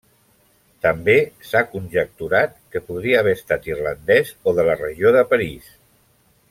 També s'ha conjecturat que podria haver estat irlandès o de la regió de París.